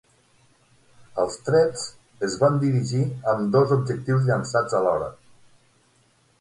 Els trets es van dirigir amb dos objectius llançats alhora.